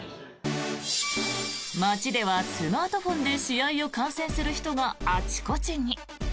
街ではスマートフォンで試合を観戦する人があちこちに。